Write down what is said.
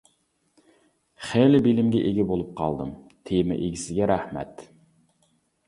خېلى بىلىمگە ئىگە بولۇپ قالدىم، تېما ئىگىسىگە رەھمەت!